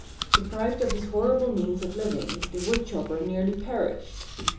Deprived of his horrible means of living, the wood chopper nearly perished.